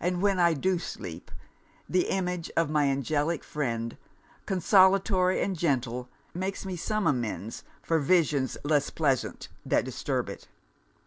And when I do sleep, the image of my angelic friend, consolatory and gentle, makes me some amends for visions less pleasant, that disturb it.